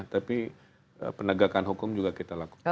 tapi penegakan hukum juga kita lakukan